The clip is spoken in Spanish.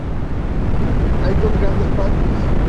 Hay dos grandes parques.